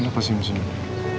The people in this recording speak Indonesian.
kenapa sih misalnya